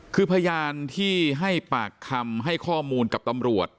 คือพยานที่ให้ปากคำให้ข้อมูลกับตำรวจ